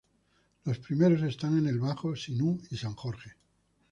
Los primeros están en el bajo Sinú y San Jorge.